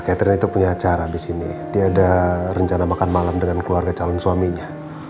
catherine itu punya acara di sini dia ada rencana makan malam dengan keluarga calon suaminya